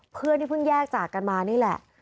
เพื่อนที่เพิ่งแยกจากกันมานี่แหละ